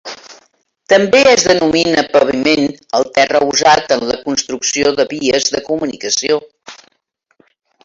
També es denomina paviment el terra usat en la construcció de vies de comunicació.